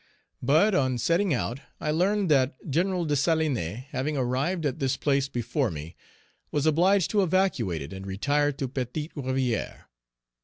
But, on setting out, I learned that Gen. Dessalines, having arrived at this place before me, was obliged to evacuate it and retire to Petite Rivière.